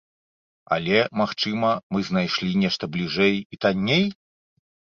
Але, магчыма, мы знайшлі нешта бліжэй і танней?